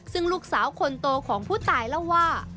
ซึ่งลูกสาวคนโตของผู้ตายเล่าว่า